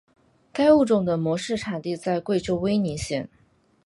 该物种的模式产地在贵州威宁县。